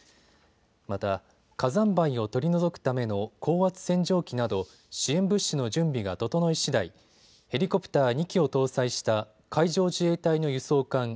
また、火山灰を取り除くための高圧洗浄機など支援物資の準備が整いしだいヘリコプター２機を搭載した海上自衛隊の輸送艦